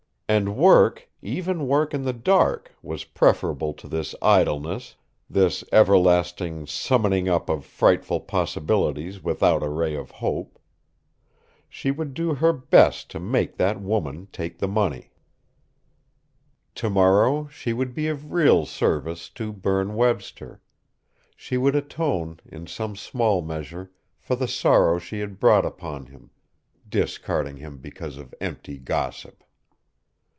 And work even work in the dark was preferable to this idleness, this everlasting summing up of frightful possibilities without a ray of hope. She would do her best to make that woman take the money! Tomorrow she would be of real service to Berne Webster she would atone, in some small measure, for the sorrow she had brought upon him, discarding him because of empty gossip!